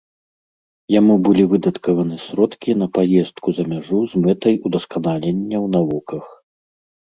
Яму былі выдаткаваны сродкі на паездку за мяжу з мэтай удасканалення ў навуках.